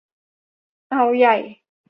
เอาใหญ่